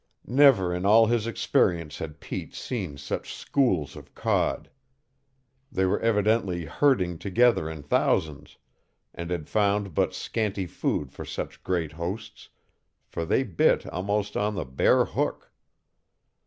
Never in all his experience had Pete seen such schools of cod. They were evidently herding together in thousands, and had found but scanty food for such great hosts, for they bit almost on the bare hook.